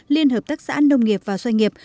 liên hợp tác xã nông nghiệp và doanh nghiệp